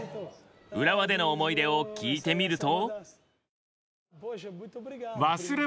浦和での思い出を聞いてみると。